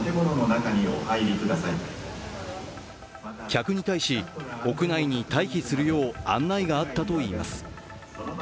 客に対し、屋内に退避するよう案内があったといいます。